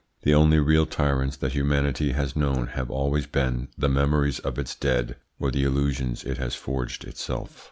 The only real tyrants that humanity has known have always been the memories of its dead or the illusions it has forged itself.